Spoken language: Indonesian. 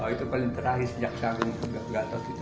itu paling terakhir sejak saya juga gak tahu